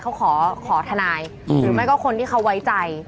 เขาขอทนายหรือไม่ก็คนที่เขาไว้ใจ